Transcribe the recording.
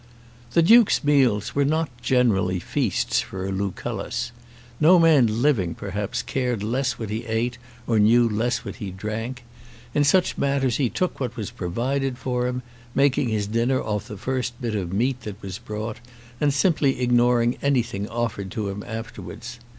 The Duke's meals were not generally feasts for a Lucullus. No man living, perhaps, cared less what he ate, or knew less what he drank. In such matters he took what was provided for him, making his dinner off the first bit of meat that was brought, and simply ignoring anything offered to him afterwards.